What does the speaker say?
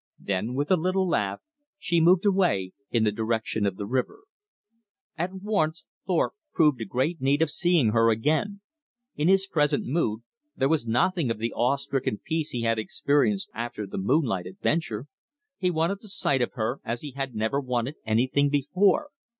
Then with a little laugh she moved away in the direction of the river. At once Thorpe proved a great need of seeing her again. In his present mood there was nothing of the awe stricken peace he had experienced after the moonlight adventure. He wanted the sight of her as he had never wanted anything before.